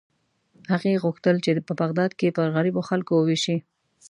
هغې غوښتل چې په بغداد کې یې پر غریبو خلکو ووېشي.